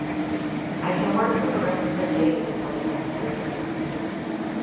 “I can work for the rest of the day,” the boy answered.